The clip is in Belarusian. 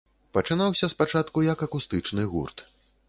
Пачынаўся спачатку, як акустычны гурт.